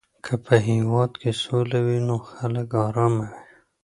که په هېواد کې سوله وي نو خلک آرامه وي.